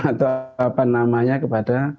atau apa namanya kepada